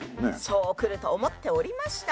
そうくると思っておりました。